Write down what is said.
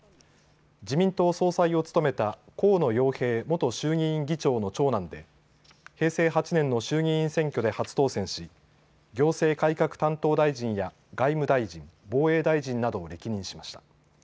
自民党総裁を務めた河野洋平元衆議院議長の長男で平成８年の衆議院選挙で初当選し行政改革担当大臣や外務大臣、防衛大臣などを歴任しました。